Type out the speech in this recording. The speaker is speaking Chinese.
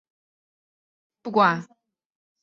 不管是属哪一纬度。